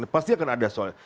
pasti akan ada soal